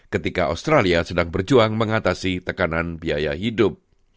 ketika australia sedang berjuang mengatasi tekanan biaya hidup